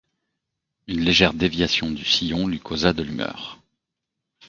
Une légère déviation du sillon lui causa de l’humeur.